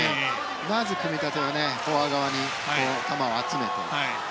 まず組み立てはフォア側に球を集めて。